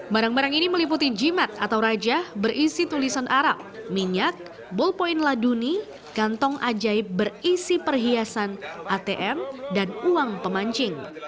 barang barang ini meliputi jimat atau raja berisi tulisan arab minyak ballpoint laduni kantong ajaib berisi perhiasan atm dan uang pemancing